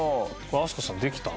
飛鳥さんできた？